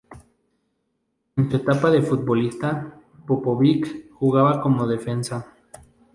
En su etapa de futbolista, Popović jugaba como defensa.